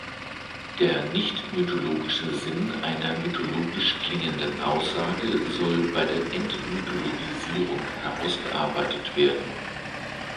Der nicht-mythologische Sinn einer mythologisch klingenden Aussage soll bei der Entmythologisierung herausgearbeitet werden.